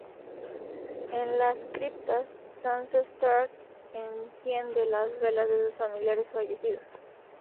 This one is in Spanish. En las criptas, Sansa Stark enciende las velas de sus familiares fallecidos.